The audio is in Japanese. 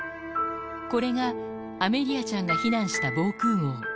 これがアメリアちゃんが避難した防空ごう。